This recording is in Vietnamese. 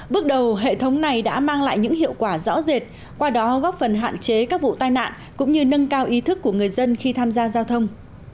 bước đầu hệ thống này đã mang lại những hiệu quả rõ rệt qua đó góp phần hạn chế các vụ tai nạn cũng như nâng cao ý thức của người dân khi tham gia giao thông